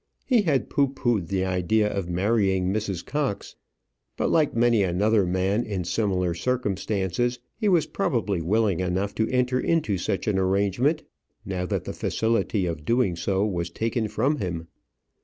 He had pooh poohed the idea of marrying Mrs. Cox; but like many another man in similar circumstances, he was probably willing enough to enter into such an arrangement now that the facility of doing so was taken from him.